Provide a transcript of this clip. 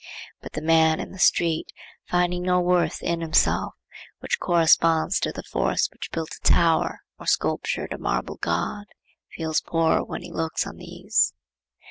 But the man in the street, finding no worth in himself which corresponds to the force which built a tower or sculptured a marble god, feels poor when he looks on these.